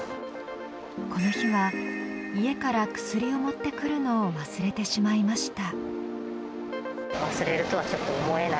この日は家から薬を持ってくるのを忘れてしまいました。